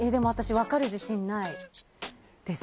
分かる自信ないです